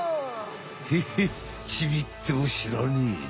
ヘッヘちびってもしらねえぜ。